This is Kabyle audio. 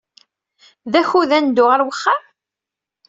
D akud ad neddu ɣer wexxam?